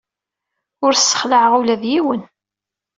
Ur ssexlaɛeɣ ula d yiwen.